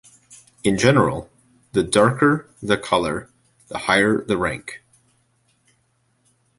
In general, the darker the color, the higher the rank.